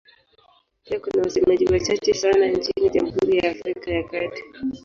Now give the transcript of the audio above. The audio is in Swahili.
Pia kuna wasemaji wachache sana nchini Jamhuri ya Afrika ya Kati.